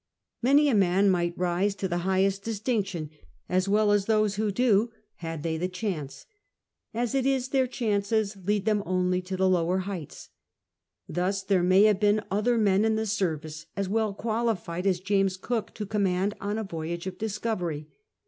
Many a man might rise to the liighest distinction, as well as those who do, had they the chance. As it is, their (diaiices lead them only to tin; lower heights. Thus there may have been other men in the service as well qualified as James Cook to command on a voyage of discovery.